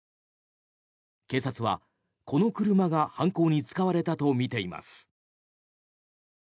警察は、この車が犯行に使われたとみています。